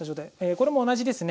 これも同じですね。